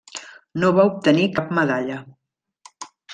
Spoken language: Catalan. No va obtenir cap medalla.